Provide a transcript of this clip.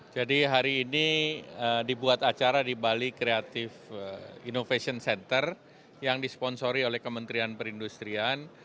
jadi hari ini dibuat acara di bali creative innovation center yang disponsori oleh kementerian perindustrian